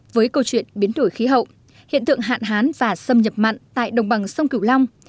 với câu chuyện biến đổi khí hậu hiện tượng hạn hán và xâm nhập mặn tại đồng bằng sông cửu long